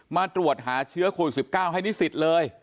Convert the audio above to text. มาตรวจหาเชื้อโควิด๑๙ให้นิสิตเลย